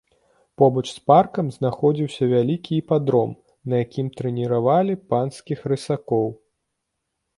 Побач з паркам знаходзіўся вялікі іпадром, на якім трэніравалі панскіх рысакоў.